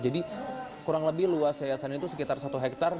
jadi kurang lebih luas yayasan itu sekitar satu hektare